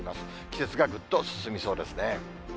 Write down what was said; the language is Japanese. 季節がぐっと進みそうですね。